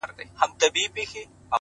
صفت زما مه كوه مړ به مي كړې؛